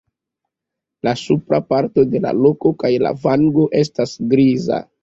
La supra parto de la kolo kaj la vango estas griza.